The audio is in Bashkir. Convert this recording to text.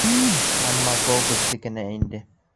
Әммә гол беҙҙекенә инде.